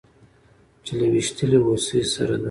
چې له ويشتلې هوسۍ سره د